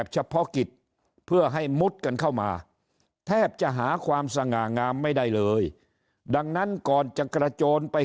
จะหาความสง่างามไม่ได้เลยดังนั้นก่อนจะกระโจนไป